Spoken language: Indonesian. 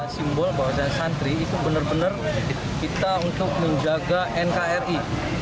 simbol bahwa saya santri itu benar benar kita untuk menjaga nkri